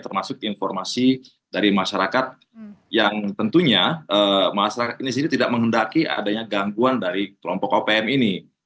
termasuk informasi dari masyarakat yang tentunya masyarakat ini tidak menghendaki adanya gangguan dari kelompok opm ini